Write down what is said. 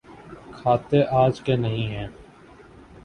کھاتے آج کے نہیں ہیں۔